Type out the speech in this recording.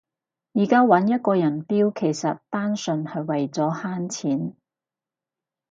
而家搵一個人標其實單純係為咗慳錢